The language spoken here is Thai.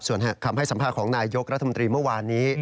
ส่วนคำให้สัมภาษณ์ของนายยกรัฐมนตรีเมื่อวานนี้